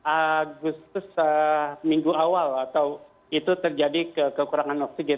agustus minggu awal atau itu terjadi kekurangan oksigen